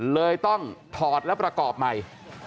เลยต้องถอดแล้วประกอบใหม่